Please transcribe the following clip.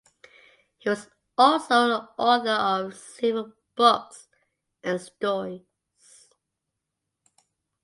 He was also the author of several books and stories.